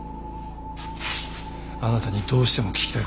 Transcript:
あなたにどうしても聞きたいことがある。